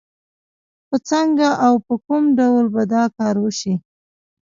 خو څنګه او په کوم ډول به دا کار وشي؟